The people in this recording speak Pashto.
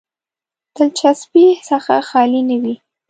دلچسپۍ څخه خالي نه وي.